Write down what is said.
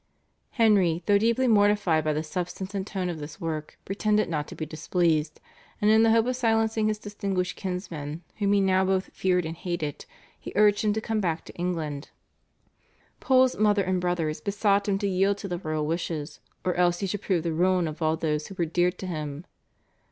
Henry, though deeply mortified by the substance and tone of this work, pretended not to be displeased, and in the hope of silencing his distinguished kinsman whom he now both feared and hated he urged him to come back to England. Pole's mother and brothers besought him to yield to the royal wishes, or else he should prove the ruin of all those who were dear to him.